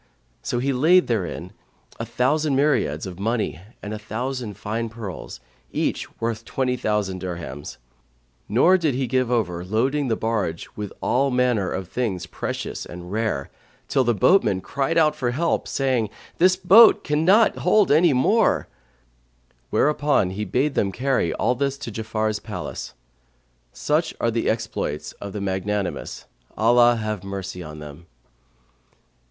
So he laid therein a thousand myriads of money and a thousand fine pearls, each worth twenty thousand dirhams; nor did he give over loading the barge with all manner of things precious and rare, till the boatmen cried out for help, saying, "The boat can't hold any more;" whereupon he bade them carry all this to Ja'afar's palace. Such are the exploits of the magnanimous, Allah have mercy on them!